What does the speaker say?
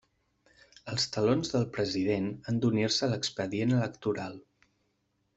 Els talons del president han d'unir-se a l'expedient electoral.